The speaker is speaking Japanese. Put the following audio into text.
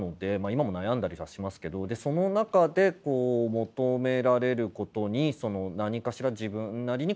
今も悩んだりはしますけどでその中でこう求められることに何かしら自分なりに答えていく。